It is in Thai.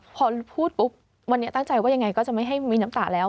พอพูดปุ๊บวันนี้ตั้งใจว่ายังไงก็จะไม่ให้มีน้ำตาแล้ว